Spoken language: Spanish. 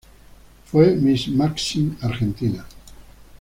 Fue "Miss Maxim argentina".